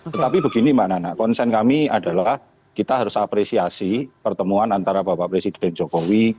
tetapi begini mbak nana konsen kami adalah kita harus apresiasi pertemuan antara bapak presiden jokowi